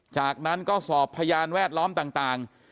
จากนั้นก็สอบพยานแวดล้อมต่าง